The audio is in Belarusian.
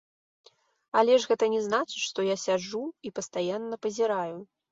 Але гэта ж не значыць, што я сяджу і пастаянна пазіраю.